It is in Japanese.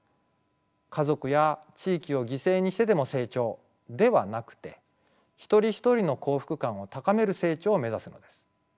家族や地域を犠牲にしてでも成長ではなくて一人一人の幸福感を高める成長を目指すのです。